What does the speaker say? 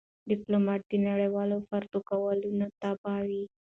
ډيپلومات د نړېوالو پروتوکولونو تابع وي.